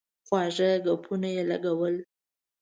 خواږه ګپونه یې لګول.